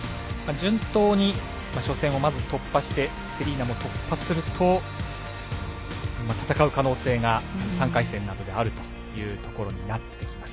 順当に初戦をまず突破してセリーナも突破すると戦う可能性が３回戦などであるということになってきます。